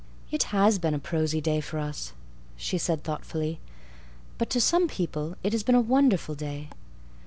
"It has been a prosy day for us," she said thoughtfully, "but to some people it has been a wonderful day.